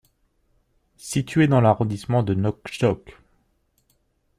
Situé dans l'arrondissement de Nkondjock.